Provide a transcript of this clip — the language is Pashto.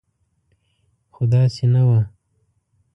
خو داسې نه وه.